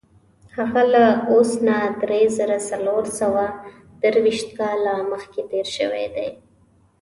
هغه له اوس نه دری زره څلور سوه درویشت کاله مخکې تېر شوی دی.